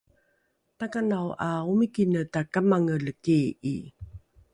takanao ’a omikine takamangele kii’i